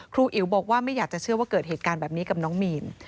อิ๋วบอกว่าไม่อยากจะเชื่อว่าเกิดเหตุการณ์แบบนี้กับน้องมีน